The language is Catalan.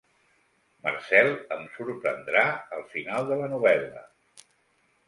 Marcel em sorprendrà al final de la novel·la.